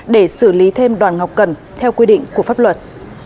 để xử lý thêm đoàn ngọc cần theo quy định của pháp luật